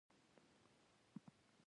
لر او بر پښتانه يو دي.